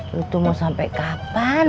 lu tuh mau sampe kapan